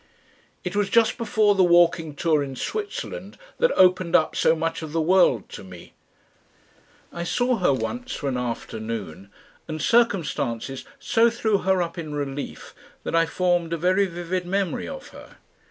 It was just before the walking tour in Switzerland that opened up so much of the world to me. I saw her once, for an afternoon, and circumstances so threw her up in relief that I formed a very vivid memory of her.